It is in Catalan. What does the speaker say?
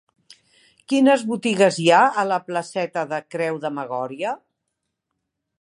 Quines botigues hi ha a la placeta de Creu de Magòria?